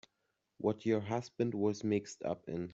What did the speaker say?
What your husband was mixed up in.